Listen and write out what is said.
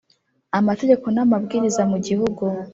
amategeko n amabwiriza mu gihugu